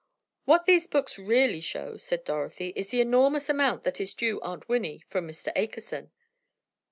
"What these books really show," said Dorothy, "is the enormous amount that is due Aunt Winnie from Mr. Akerson!"